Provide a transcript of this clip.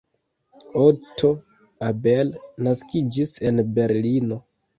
Otto Abel naskiĝis en Berlino.